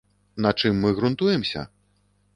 На чым мы грунтуемся?